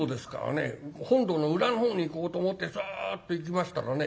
本堂の裏のほうに行こうと思ってそっと行きましたらね